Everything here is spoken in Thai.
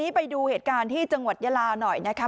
ไปดูเหตุการณ์ที่จังหวัดยาลาหน่อยนะคะ